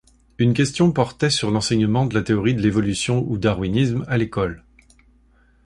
Une question portait sur l'enseignement de la théorie de l'évolution ou darwinisme à l'école.